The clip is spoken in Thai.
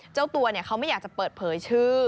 เจ้าตัวเขาไม่อยากจะเปิดเผยชื่อ